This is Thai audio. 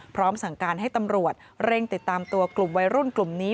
พร้อมสั่งการให้ตำรวจเร่งติดตามตัวกลุ่มวัยรุ่นกลุ่มนี้